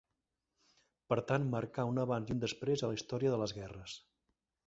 Per tant marcà un abans i un després a la història de les guerres.